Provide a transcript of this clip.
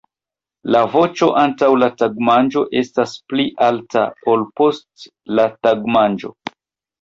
La voĉo antaŭ la tagmanĝo estas pli alta, ol post la tagmanĝo.